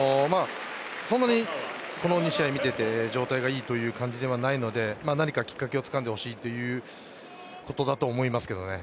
この２試合を見ていて状態がいいという感じではないので何かきっかけをつかんでほしいということだと思いますけどね。